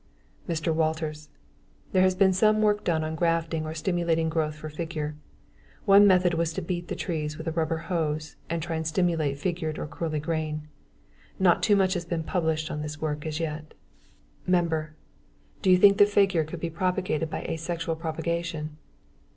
] MR. WALTERS: There has been some work done on grafting or stimulating growth for figure. One method was to beat the trees with a rubber hose and try to stimulate figured or curly grain. Not too much has been published on this work as yet. MEMBER: Do you think the figure could be propagated by asexual propagation?